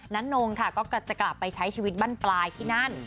นงค่ะก็จะกลับไปใช้ชีวิตบ้านปลายที่นั่น